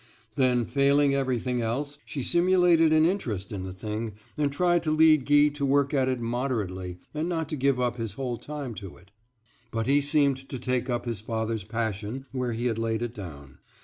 Then failing everything else she simulated an interest in the thing, and tried to lead Guy to work at it moderately, and not to give up his whole time to it. But he seemed to take up his father's passion where he had laid it down.